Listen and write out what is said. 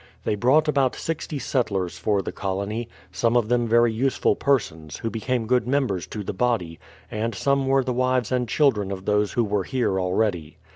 They brought about sixty settlers for the colony, some of them very useful persons, who became good mem bers to the body, and some were the wives and children of those who were here already.